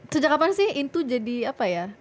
sejak kapan sih itu jadi apa ya